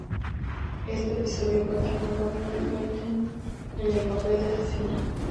Este episodio cuenta con Romina Gaetani, en el papel de asesina.